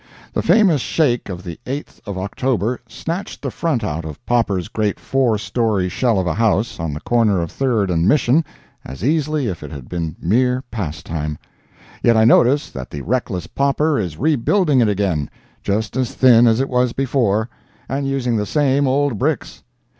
The famous shake of the 8th of October snatched the front out of Popper's great four story shell of a house on the corner of Third and Mission as easily as if it had been mere pastime; yet I notice that the reckless Popper is rebuilding it again just as thin as it was before, and using the same old bricks.